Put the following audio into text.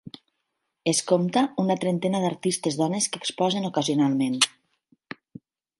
Es compta una trentena d'artistes dones que exposen ocasionalment.